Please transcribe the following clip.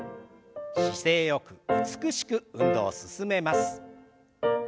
姿勢よく美しく運動を進めます。